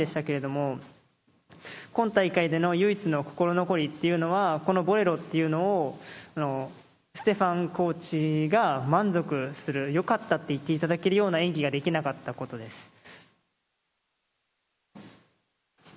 けれども、今大会での唯一の心残りというのは、このボレロっていうのをステファンコーチが満足する、よかったって言っていただけるような演技ができなかったことです。